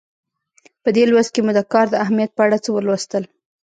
په دې لوست کې مو د کار د اهمیت په اړه څه ولوستل.